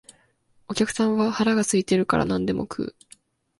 お客さんは腹が空いているから何でも食う